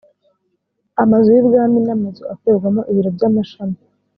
amazu y ubwami n amazu akoreramo ibiro by amashami